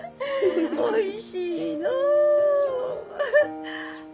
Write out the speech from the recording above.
おいしいのう。